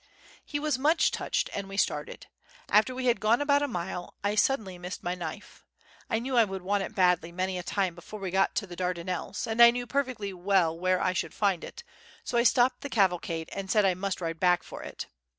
He was much touched, and we started. After we had gone about a mile, I suddenly missed my knife. I knew I should want it badly many a time before we got to the Dardanelles, and I knew perfectly well where I should find it: so I stopped the cavalcade and said I must ride back for it.